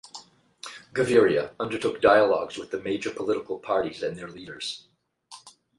Gaviria undertook dialogues with the major political parties and their leaders.